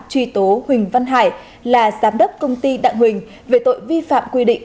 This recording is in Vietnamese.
truy tố huỳnh văn hải là giám đốc công ty đặng huỳnh về tội vi phạm quy định